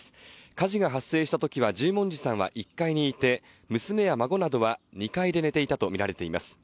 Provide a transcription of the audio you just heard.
火事が発生したときは、十文字さんは１階にいて娘や孫などは２階で寝ていたとみられています。